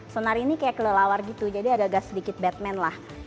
sonari ini kayak kelelawar gitu jadi agak agak sedikit batman lah